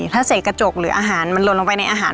ถ้าเศษกระจกหรืออาหารมันลนลงไปในอาหาร